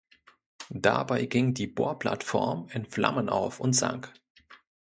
Dabei ging die Bohrplattform in Flammen auf und sank.